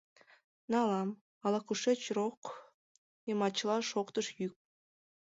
— Налам... — ала-кушеч рок йымачла шоктыш йӱк.